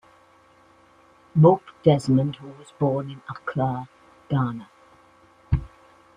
Mope Desmond, who was born in Accra, Ghana.